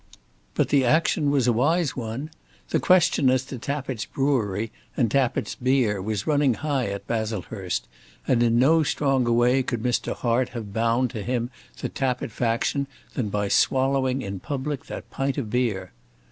But the action was a wise one. The question as to Tappitt's brewery and Tappitt's beer was running high at Baslehurst, and in no stronger way could Mr. Hart have bound to him the Tappitt faction than by swallowing in public that pint of beer.